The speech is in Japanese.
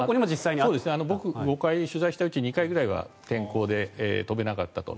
僕、５回取材したうち２回ぐらいは天候で飛べなかったと。